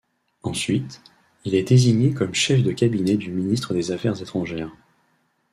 Ensuite, il est désigné comme chef de cabinet du ministre des Affaires étrangères.